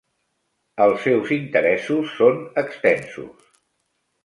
Els seus interessos són extensos.